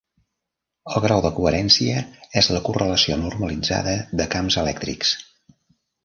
El grau de coherència és la correlació normalitzada de camps elèctrics.